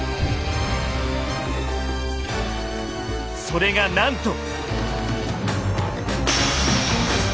それがなんと。